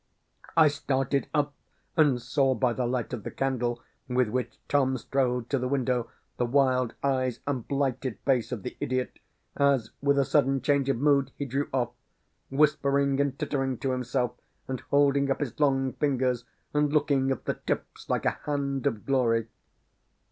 I started up, and saw, by the light of the candle with which Tom strode to the window, the wild eyes and blighted face of the idiot, as, with a sudden change of mood, he drew off, whispering and tittering to himself, and holding up his long fingers, and looking at the tips like a "hand of glory."